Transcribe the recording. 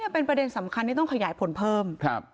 เป็นประเด็นสำคัญที่ต้องขยายผลเพิ่ม